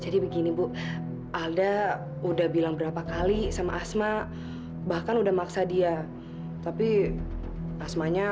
jadi begini bu alda udah bilang berapa kali sama asma bahkan udah maksa dia tapi asmanya